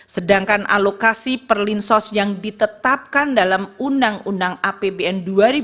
sedangkan alokasi perlinsos yang ditetapkan dalam undang undang apbn dua ribu dua puluh